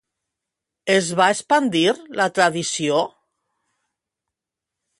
Es va expandir la tradició?